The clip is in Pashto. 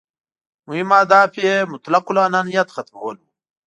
مهم اهداف یې مطلق العنانیت ختمول وو.